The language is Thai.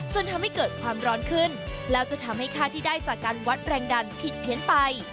จนทำให้เกิดความร้อนขึ้นแล้วจะทำให้ค่าที่ได้จากการวัดแรงดันผิดเพี้ยนไป